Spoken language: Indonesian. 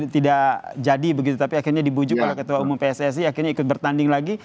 tidak jadi begitu tapi akhirnya dibujuk oleh ketua umum pssi akhirnya ikut bertanding lagi